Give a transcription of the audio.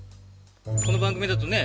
この番組だとね